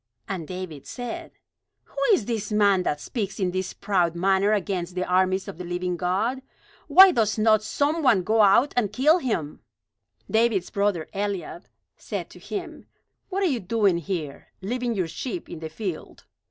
And David said: "Who is this man that speaks in this proud manner against the armies of the living God? Why does not some one go out and kill him?" David's brother Eliab said to him: "What are you doing here, leaving your sheep in the field?